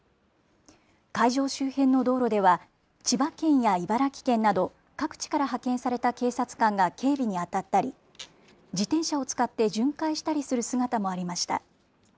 会場周辺の道路では千葉県や茨城県など各地から派遣された警察官が警備にあたったり自転車を使って巡回したりする姿もありました。